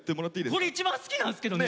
これ一番好きなんすけどね！